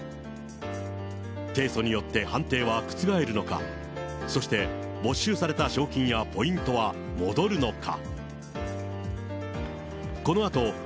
提訴によって判定は覆るのか、そして、没収された賞金やポイントは戻るのか。